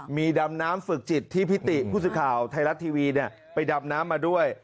มีดำน้ำฝึกจิตที่พิติผู้สื่อข่าวไทยรัฐทีวีไปดำน้ำมาด้วย